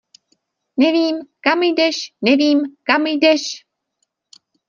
Nevím, kam jdeš, nevím, kam jdeš.